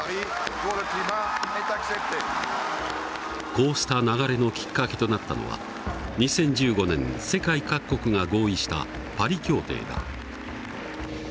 こうした流れのきっかけとなったのは２０１５年世界各国が合意したパリ協定だ。